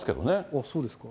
ああ、そうですか？